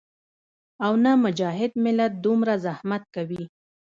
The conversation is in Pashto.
او نۀ مجاهد ملت دومره زحمت کوي